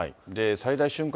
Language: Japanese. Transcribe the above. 最大瞬間